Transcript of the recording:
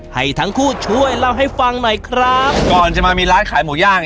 ให้ทั้งคู่ช่วยเล่าให้ฟังหน่อยครับก่อนจะมามีร้านขายหมูย่าง